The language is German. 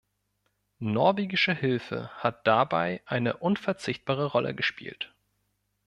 Norwegische Hilfe hat dabei eine unverzichtbare Rolle gespielt.